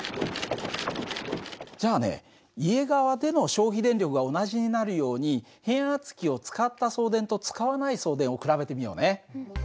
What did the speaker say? じゃあね家側での消費電力が同じになるように変圧器を使った送電と使わない送電を比べてみようね。